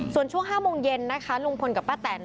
ส่วนช่วง๕โมงเย็นนะคะลุงพลกับป้าแตน